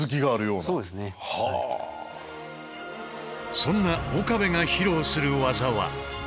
そんな岡部が披露する技は。